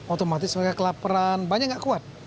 otomatis mereka kelaperan banyak yang tidak kuat